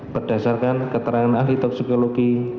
berdasarkan keterangan ahli toksikologi